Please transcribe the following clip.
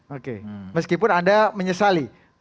oke meskipun anda menyesali